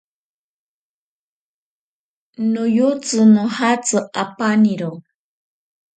Noyotsi nojatsi apaniro.